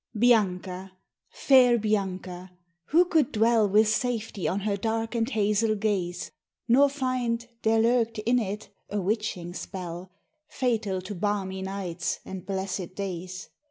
Bianca! fair Bianca! who could dwell With safety on her dark and hazel gaze, Nor find there lurk'd in it a witching spell, Fatal to balmy nights and blessed days?